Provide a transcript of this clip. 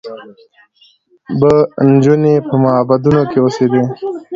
به نجونې په معبدونو کې اوسېدې